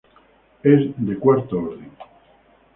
Es de cuarto orden.